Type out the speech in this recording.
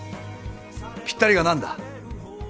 ぴったりが何だ？